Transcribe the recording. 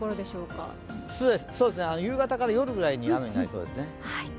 夕方から夜ぐらいに雨になりそうですね。